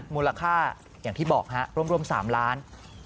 มูลค่าอย่างที่บอกฮะร่วม๓ล้าน